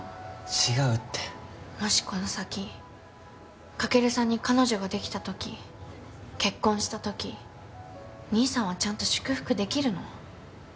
違うってもしこの先カケルさんに彼女ができたとき結婚したとき兄さんはちゃんと祝福できるの？